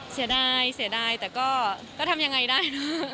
เสียดายแต่ก็ทำอย่างไรได้